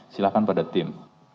silakan pada tim